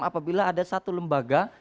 apabila ada satu lembaga